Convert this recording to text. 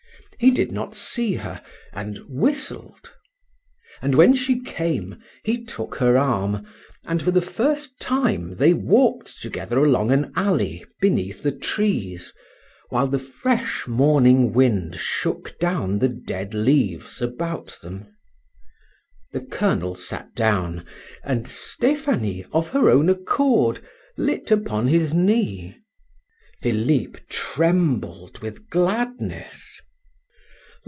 He did not see her, and whistled; and when she came, he took her arm, and for the first time they walked together along an alley beneath the trees, while the fresh morning wind shook down the dead leaves about them. The colonel sat down, and Stephanie, of her own accord, lit upon his knee. Philip trembled with gladness.